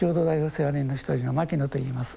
世話人の一人の牧野と言います。